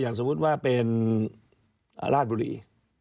สมมุติว่าเป็นราชบุรี